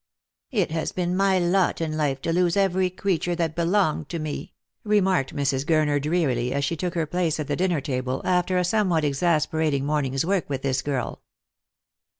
" It has been my lot in life to lose every creature that be longed to me," remarked Mrs. Gurner drearily, as she took her place at the dinner table, after a somewhat exasperating morning's work with this girl.